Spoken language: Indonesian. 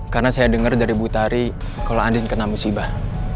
karena saya dengar dari butari kalau andin kena musibah